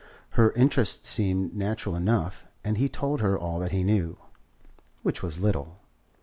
Her interest seemed natural enough, and he told her all that he knew, which was little.